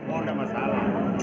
oh udah masalah